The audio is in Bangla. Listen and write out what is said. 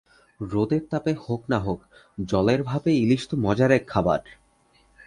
রোদের তাপে হোক না হোক জলের ভাপে ইলিশ তো মজার এক খাবার।